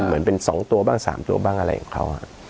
เหมือนเป็นสองตัวบ้างสามตัวบ้างอะไรอย่างนี้